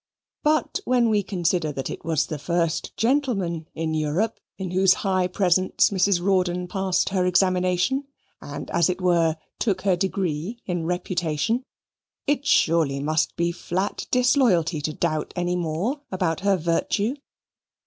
But when we consider that it was the First Gentleman in Europe in whose high presence Mrs. Rawdon passed her examination, and as it were, took her degree in reputation, it surely must be flat disloyalty to doubt any more about her virtue.